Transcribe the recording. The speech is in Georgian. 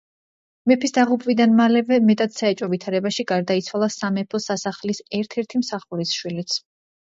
მეფის დაღუპვიდან მალევე, მეტად საეჭვო ვითარებაში გარდაიცვალა სამეფო სასახლის ერთ-ერთი მსახურის შვილიც.